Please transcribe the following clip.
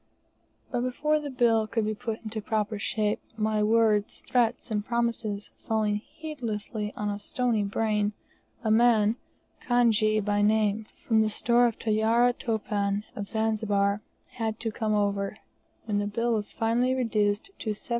But before the bill could be put into proper shape, my words, threats, and promises falling heedlessly on a stony brain, a man, Kanjee by name, from the store of Tarya Topan, of Zanzibar, had to come over, when the bill was finally reduced to $738.